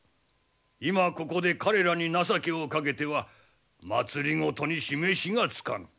今ここで彼らに情けをかけては政に示しがつかぬ。